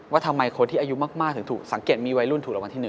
ว่าทำไมคนที่อายุมากถึงถูกสังเกตมีวัยรุ่นถูกรางวัลที่๑